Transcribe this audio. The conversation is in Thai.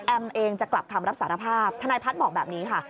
เองจะกลับคำรับสารภาพธนายพัฒน์บอกแบบนี้ค่ะ